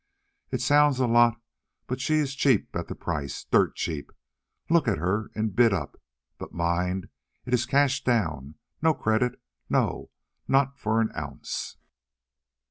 It sounds a lot, but she is cheap at the price, dirt cheap. Look at her and bid up. But mind, it is cash down—no credit, no, not for an ounce."